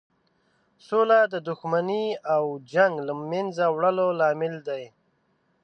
سوله د دښمنۍ او جنګ له مینځه وړلو لامل دی.